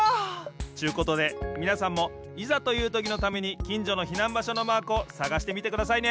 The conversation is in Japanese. ちゅうことでみなさんもいざというときのためにきんじょの避難場所のマークをさがしてみてくださいね。